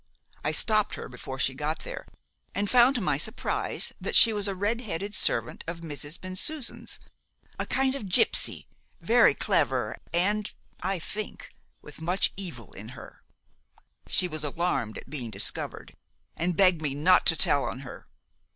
I stopped her before she got there, and found to my surprise that she was a red headed servant of Mrs. Bensusan's a kind of gypsy, very clever, and I think with much evil in her. She was alarmed at being discovered, and begged me not to tell on her.